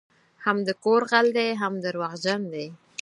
هم د کور غل دی هم دروغجن دی